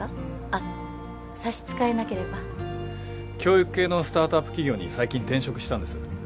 あっ差し支えなければ教育系のスタートアップ企業に最近転職したんです